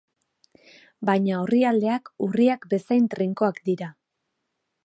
Baina orrialdeak urriak bezain trinkoak dira.